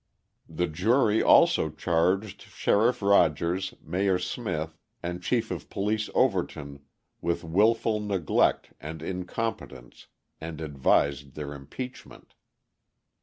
The jury also charged Sheriff Rodgers, Mayor Smith, and Chief of Police Overton with wilful neglect and incompetence, and advised their impeachment.